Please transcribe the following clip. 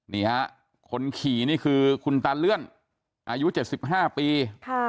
เนี้ยฮะคนขี่นี่คือคุณตานเลื่อนอายุเจ็ดสิบห้าปีค่ะ